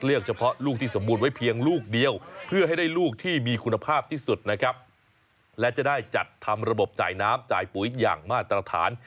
รับจ่ายปลูกอีกอย่างมาตรฐาน